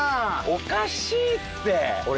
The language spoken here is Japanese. おかしいって。